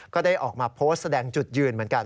ก็ได้ออกมาโพสต์แสดงจุดยืนเหมือนกัน